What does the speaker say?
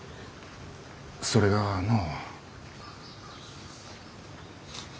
それがのう。